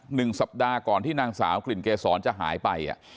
หนึ่งสัปดาห์ก่อนที่นางสาวกลิ่นเกษรจะหายไปอ่ะ